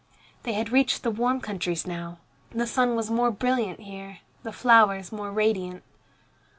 They had reached the warm countries now. The sun was more brilliant here, the flowers more radiant.